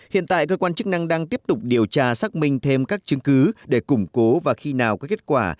hiện tại cơ quan chức năng đang tiếp tục điều tra xác minh thêm các chứng cứ để củng cố và khi nào có kết quả